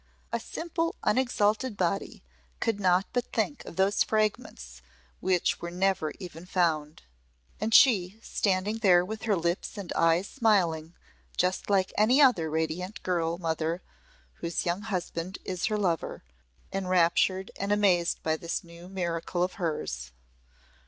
A simple unexalted body could not but think of those fragments which were never even found. And she, standing there with her lips and eyes smiling, just like any other radiant girl mother whose young husband is her lover, enraptured and amazed by this new miracle of hers!